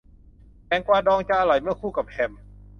แตงกวาดองจะอร่อย เมื่อคู่กับแฮม